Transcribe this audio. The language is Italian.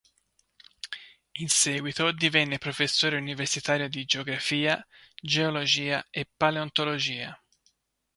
In seguito divenne professore universitario di geografia, geologia e paleontologia.